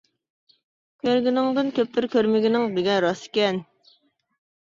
كۆرگىنىڭدىن كۆپتۇر كۆرمىگىنىڭ دېگەن راست ئىكەن.